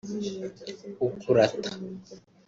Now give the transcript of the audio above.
ukurata